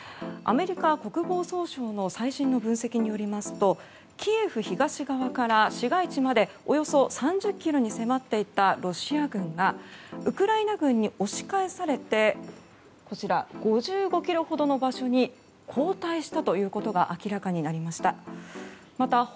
アメリカ国防総省の最新の分析によりますとキエフ東側から市街地までおよそ３０ｋｍに迫っていたロシア軍がウクライナ軍に押し返されて５５ｋｍほどの場所に後退したということが明らかになりました。